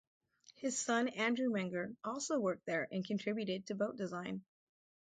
Hs son Andrew Menger also worked there and contributed to boat design.